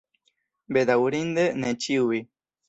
Bedaŭrinde ne ĉiuj.